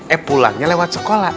eh pulangnya lewat sekolah